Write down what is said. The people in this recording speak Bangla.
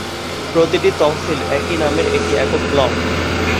প্রতিটি তহসিল একই নামের একটি একক ব্লক।